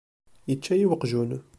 Ičča-yi uqjun.